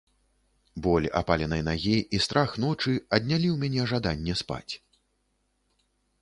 Боль апаленай нагі і страх ночы аднялі ў мяне жаданне спаць.